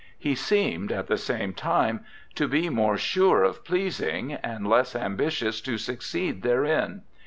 He seemed, at the same time, to be more sure of pleasing and less ambitious to succeed therein.